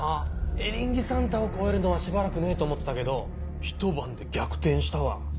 「エリンギサンタ」を超えるのはしばらくねえと思ってたけどひと晩で逆転したわ。